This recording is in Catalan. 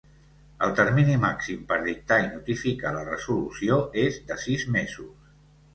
El termini màxim per dictar i notificar la resolució és de sis mesos.